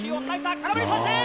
空振り三振。